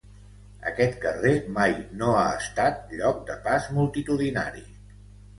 Aquest carrer mai no ha estat lloc de pas multitudinari.